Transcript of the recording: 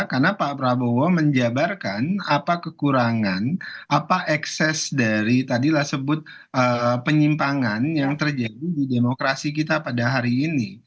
karena pak prabowo menjabarkan apa kekurangan apa ekses dari tadilah sebut penyimpangan yang terjadi di demokrasi kita pada hari ini